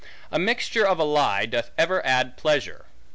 A mixture of a lie doth ever add pleasure.